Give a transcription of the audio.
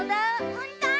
ほんとう？